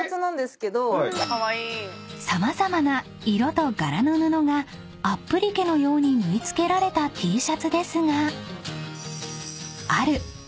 ［様々な色と柄の布がアップリケのように縫い付けられたＴシャツですが］